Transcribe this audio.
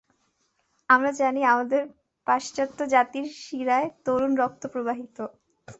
আমরা জানি, আপনাদের পাশ্চাত্য জাতির শিরায় তরুণ রক্ত প্রবাহিত।